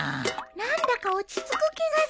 何だか落ち着く気がする。